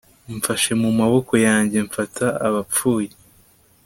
Mfashe mu maboko yanjye mfata Abapfuye